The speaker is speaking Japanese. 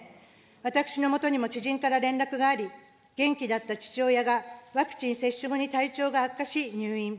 私のもとにも知人から連絡があり、元気だった父親がワクチン接種後に体調が悪化し入院。